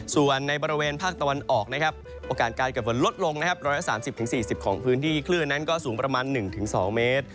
ส่วนในบริเวณภาคตะวันออกนะครับโอกาสการเกิดฝนลดลงนะครับ๑๓๐๔๐ของพื้นที่คลื่นนั้นก็สูงประมาณ๑๒เมตร